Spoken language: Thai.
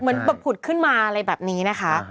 เหมือนแบบผุดขึ้นมาอะไรแบบนี้นะคะ